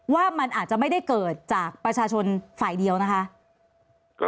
ว่ามันอาจจะไม่ได้เกิดจากประชาชนฝ่ายเดียวนะคะ